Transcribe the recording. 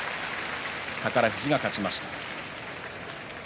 宝富士が勝ちました。